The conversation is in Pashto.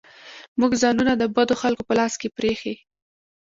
موږ ځانونه د بدو خلکو په لاس کې پرېښي.